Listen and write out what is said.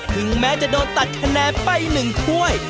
ถึงแม้จะโดนตัดคะแนนไป๑ถ้วย